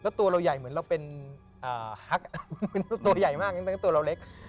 แล้วตัวเราใหญ่เหมือนเราเป็นฮักตัวใหญ่มากตัวเราเล็ก